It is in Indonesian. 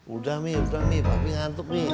udah mie udah nih papi ngantuk nih